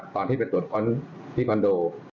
ตอนที่ไปตรวจค้นที่คอนโด